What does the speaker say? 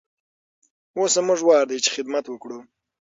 اوس زموږ وار دی چې خدمت وکړو.